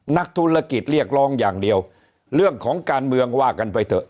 นักธุรกิจเรียกร้องอย่างเดียวเรื่องของการเมืองว่ากันไปเถอะ